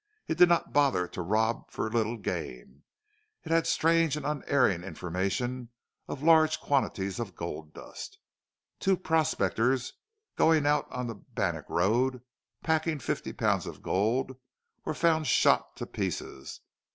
It did not bother to rob for little gain. It had strange and unerring information of large quantities of gold dust. Two prospectors going out on the Bannack road, packing fifty pounds of gold, were found shot to pieces.